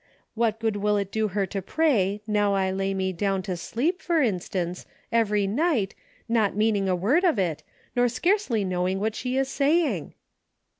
What good will it do her to pray, 'Now I lay me down to sleep' for instance, every night, not meaning a word of it, nor scarcely knowing what she is saying